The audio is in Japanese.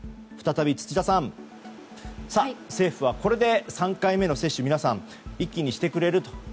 再び、土田さん政府は、これで３回目の接種を皆さん、一気にしてくれると。